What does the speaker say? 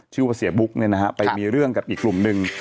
ชื่อว่าเสี่ยบุ๊กตามประกอบมีเรื่องกับอีกกลุ่มนึง